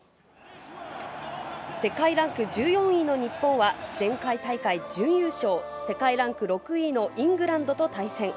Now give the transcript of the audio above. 世界ランク１４位の日本は、前回大会準優勝、世界ランク６位のイングランドと対戦。